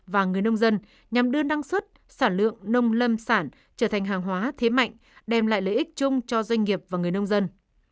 và người nông dân nhằm đưa năng suất sản lượng nông lâm sản trở thành hàng hóa thế mạnh đem lại lợi ích chung cho doanh nghiệp và người nông dân